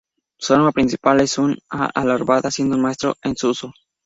Su arma principal es una alabarda, siendo un maestro en su uso.